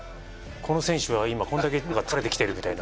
この選手は今こんだけ疲れてきてるみたいな。